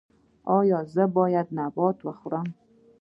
ایا زه باید نبات وخورم؟